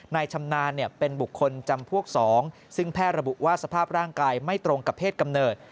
ชำนาญเป็นบุคคลจำพวก๒ซึ่งแพทย์ระบุว่าสภาพร่างกายไม่ตรงกับเพศกำเนิด